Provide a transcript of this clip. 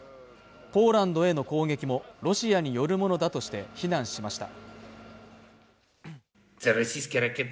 ポーランドへの攻撃もロシアによるものだとして非難しました